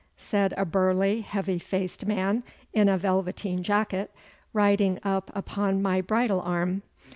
said a burly, heavy faced man in a velveteen jacket, riding up upon my bridle arm.